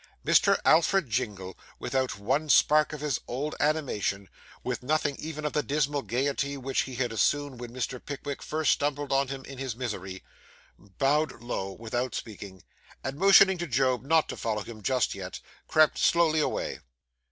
Mr. Alfred Jingle, without one spark of his old animation with nothing even of the dismal gaiety which he had assumed when Mr. Pickwick first stumbled on him in his misery bowed low without speaking, and, motioning to Job not to follow him just yet, crept slowly away.